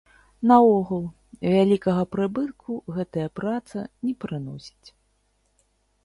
Наогул, вялікага прыбытку гэтая праца не прыносіць.